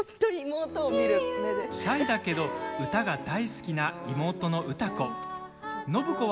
シャイだけど歌が大好きな妹の歌子。